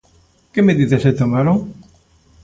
¿Que medidas se tomaron?